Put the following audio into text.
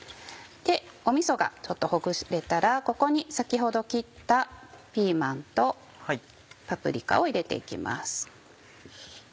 みそがちょっとほぐれたらここに先ほど切ったピーマンとパプリカを入れて行きます。